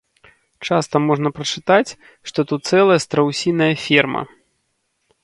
Часта можна прачытаць, што тут цэлая страусіная ферма.